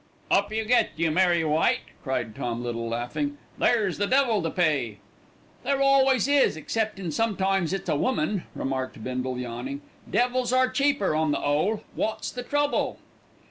"Up you get, you merry wight," cried Tom Little, laughing; "there's the devil to pay." "There always is, exceptin' sometimes it's a woman," remarked Bindle, yawning. "Devils are cheaper, on the 'ole. What's the trouble?"